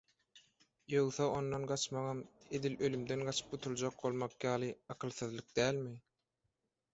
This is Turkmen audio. Ýogsa ondan gaçmagam, edil ölümden gaçyp gutuljak bolmak ýaly akylsyzlyk dälmi?